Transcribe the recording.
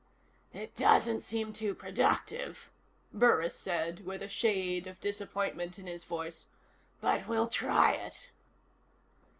"It doesn't seem too productive," Burris said, with a shade of disappointment in his voice, "but we'll try it."